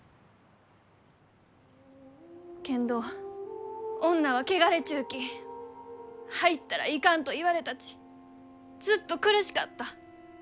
けんど「女は汚れちゅうき入ったらいかん」と言われたちずっと苦しかった。